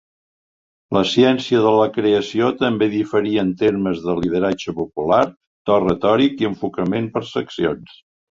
La ciència de la creació també diferia en termes de lideratge popular, to retòric i enfocament per seccions.